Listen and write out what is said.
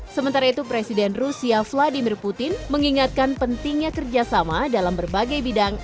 sementara itu presiden rusia vladimir putin mengingatkan pentingnya kerjasama dalam berbagai bidang